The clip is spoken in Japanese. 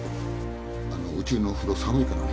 あのうちの風呂寒いからね。